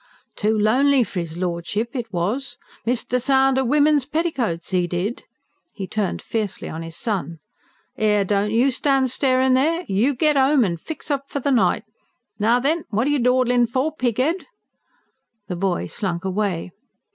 Too lonely for 'is lordship it was. Missed the sound o' wimmin's petticoats, 'e did." He turned fiercely on his son. "'Ere, don't you stand starin' there! You get 'ome, and fix up for the night. Now then, wot are you dawdlin' for, pig 'ead?" The boy slunk away.